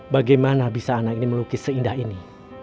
bagaimana bisa anak ini melukis seindah ini